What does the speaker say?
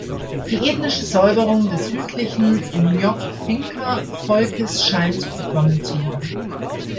Die ethnische Säuberung des südlichen Ngok Dinka-Volkes scheint begonnen zu haben.